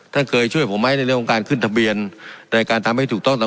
ท่านเคยช่วยผมไหมในเรื่องของการขึ้นทะเบียนในการทำให้ถูกต้องตาม